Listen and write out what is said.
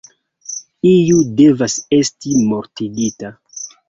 Iu devas esti mortigita.